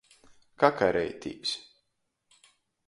Kakareitīs.